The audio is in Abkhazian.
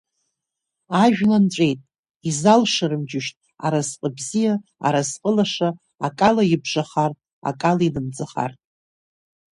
Ажәла нҵәеит, изалшарым, џьушьҭ, аразҟы бзиа, аразҟы лаша акала ибжахартә, акала инамӡахартә.